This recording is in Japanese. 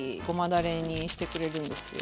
だれにしてくれるんですよ。